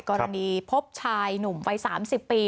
กรณีภพชายหนุ่มไว้๓๐ปี